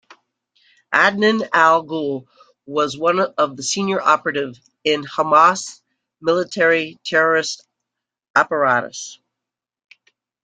Adnan Al-Ghoul was one of the senior operatives in Hamas' military-terrorist apparatus.